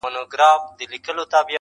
ما راوړي هغه لارو ته ډېوې دي,